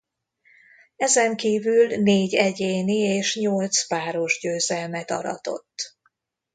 Ezen kívül négy egyéni és nyolc páros győzelmet aratott.